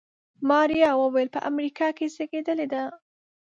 ماريا وويل په امريکا کې زېږېدلې ده.